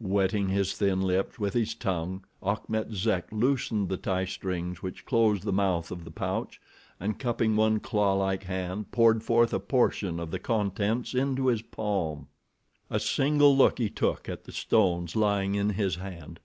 Wetting his thin lips with his tongue, Achmet Zek loosened the tie strings which closed the mouth of the pouch, and cupping one claw like hand poured forth a portion of the contents into his palm. A single look he took at the stones lying in his hand.